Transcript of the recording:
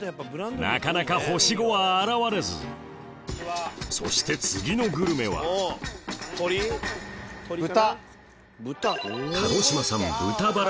なかなか星５は現れずそして次のグルメは豚。